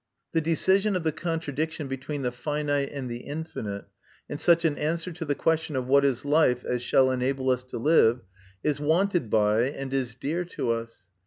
The decision of the contradiction between the finite and the infinite, and such an answer to the question of what is life as shall enable us to live, is wanted by and is dear to us.